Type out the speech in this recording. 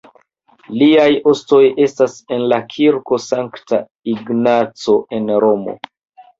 Liaj ostoj estas en la Kirko Sankta Ignaco en Romo.